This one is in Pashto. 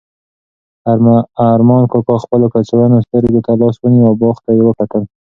ارمان کاکا خپلو کڅوړنو سترګو ته لاس ونیو او باغ ته یې وکتل.